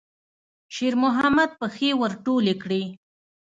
شېرمحمد پښې ور ټولې کړې.